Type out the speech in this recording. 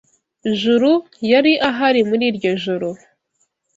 Juru yari ahari muri iryo joro.